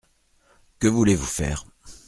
Que voulez-vous faire ?